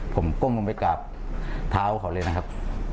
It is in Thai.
ผมก้มลงไปกราบเท้าเขาเลยนะครับ